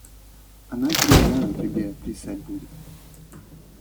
Она три дня на трубе плясать будет.